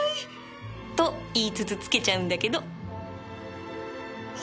と言いつつつけちゃうんだけど